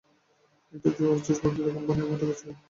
একটা জুয়াচোর বক্তৃতা কোম্পানী আমায় ঠকিয়েছিল।